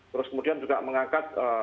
terus kemudian juga mengangkat